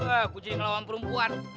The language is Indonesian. aku jadi ngelawan perempuan